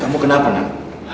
kamu kenapa nam